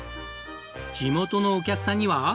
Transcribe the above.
地元のお客さんには。